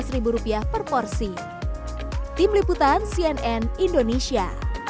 tiga belas rupiah per porsi tim liputan cnn indonesia